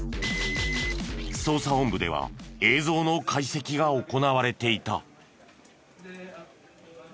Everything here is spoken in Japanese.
捜査本部では映像の解析が行われていた。